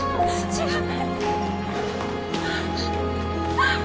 違う！